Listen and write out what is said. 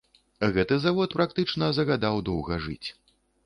Гэты завод практычна загадаў доўга жыць.